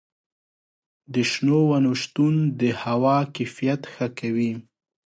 د شنو ونو شتون د هوا کیفیت ښه کوي.